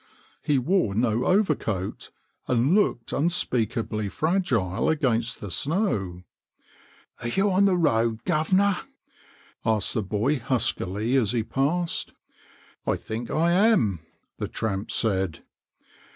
He wore no overcoat, and looked unspeakably fragile against the snow. " Are you on the road, guv'nor ?" asked the boy huskily as he passed. " I think I am," the tramp said.